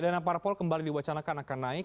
dana parpol kembali diwacanakan akan naik